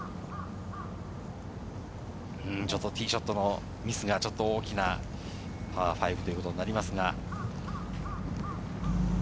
ちょっとティーショットのミスが大きなパー５ということになります。